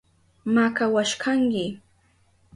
Makawashkanki.